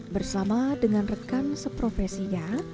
bersama dengan rekan seprofesinya